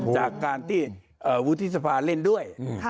จากการที่วุฒิสภาเล่นด้วย